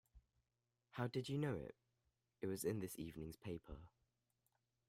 How did you know it? It was in this evening's paper.